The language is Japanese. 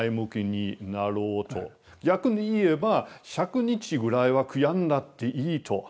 逆に言えば１００日ぐらいは悔やんだっていいと。